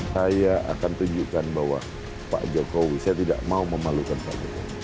saya akan tunjukkan bahwa pak jokowi saya tidak mau memalukan pak jokowi